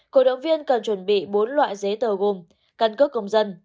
cổ động viên cần chuẩn bị bốn loại giấy tờ gồm căn cước công dân